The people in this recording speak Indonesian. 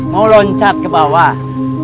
mau loncat ke bawah